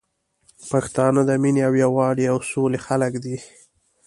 پښتانه د مينې او یوالي او سولي خلګ دي